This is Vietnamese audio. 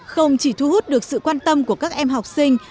không chỉ thu hút được sự quan tâm của các em học sinh